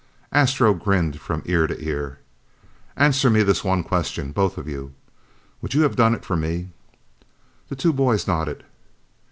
Astro grinned from ear to ear. "Answer me this one question, both of you. Would you have done it for me?" The two boys nodded.